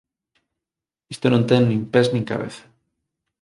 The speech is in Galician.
Isto non ten nin pés nin cabeza!